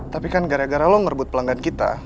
tapi kan gara gara lo ngerebut pelanggan kita